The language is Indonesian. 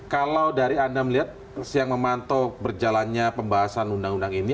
kalau dari anda melihat yang memantau berjalannya pembahasan undang undang ini